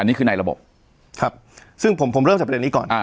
อันนี้คือในระบบครับซึ่งผมผมเริ่มจากประเด็นนี้ก่อนอ่า